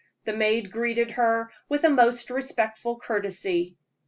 The maid greeted her with a most respectful courtesy.